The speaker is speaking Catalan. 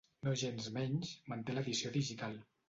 Nogensmenys manté l'edició digital.